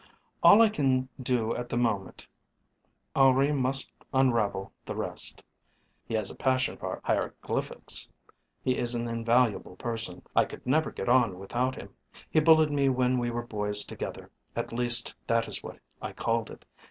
"All I can do at the moment. Henri must unravel the rest; he has a passion for hieroglyphics. He is an invaluable person; I could never get on without him. He bullied me when we were boys together at least that is what I called it.